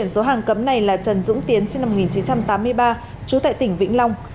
số hàng cấm này là trần dũng tiến sinh năm một nghìn chín trăm tám mươi ba trú tại tỉnh vĩnh long